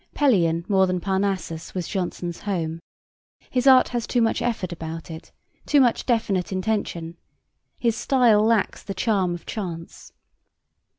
Pelion more than Parnassus was Jonson's home. His art has too much effort about it, too much definite intention. His style lacks the charm of chance.